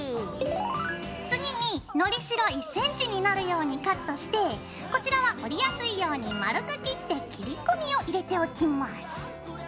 次にのりしろ１ｃｍになるようにカットしてこちらは折りやすいように丸く切って切り込みを入れておきます。